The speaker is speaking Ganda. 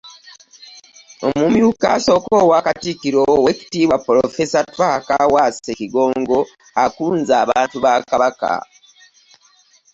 Omumyuka asooka owa Katikkiro, Oweekitiibwa Ppulofeesa Twaha Kaawaase Kigongo, akunze abantu ba Kabaka